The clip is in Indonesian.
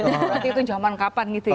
nanti itu zaman kapan gitu ya